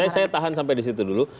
saya tahan sampai di situ dulu